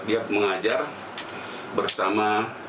dia mengajar bersama